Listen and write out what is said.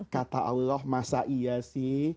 kata allah masa iya sih